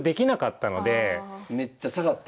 めっちゃ下がった。